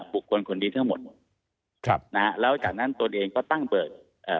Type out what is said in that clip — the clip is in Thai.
บุคคลคนนี้ทั้งหมดหมดครับนะฮะแล้วจากนั้นตนเองก็ตั้งเปิดเอ่อ